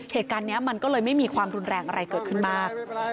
เหตุการณ์นี้มันก็เลยไม่มีความรุนแรงอะไรเกิดขึ้นมาก